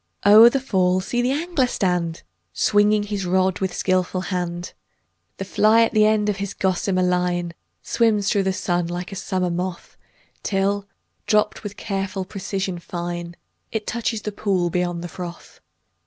o'er the fall see the angler stand, Swinging his rod with skilful hand; The fly at the end of his gossamer line Swims through the sun like a summer moth, Till, dropt with a careful precision fine, It touches the pool beyond the froth.